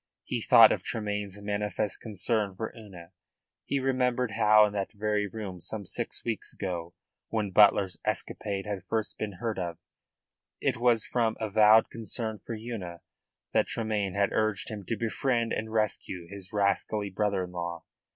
He thought of Tremayne's manifest concern for Una; he remembered how in that very room some six weeks ago, when Butler's escapade had first been heard of, it was from avowed concern for Una that Tremayne had urged him to befriend and rescue his rascally brother in law.